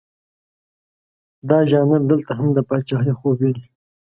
دا ژانر دلته هم د پاچهي خوب ویني.